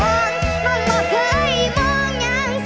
มองอย่างสักก็ไม่อยากไหล